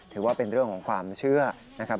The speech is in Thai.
ถือว่าเป็นเรื่องของความเชื่อนะครับ